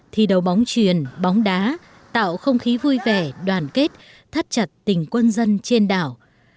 thi đấu bóng truyền bóng đá tạo không khí vui vẻ đoàn kết thắt chặt tình quân dân trên đảo